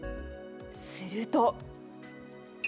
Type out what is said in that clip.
すると。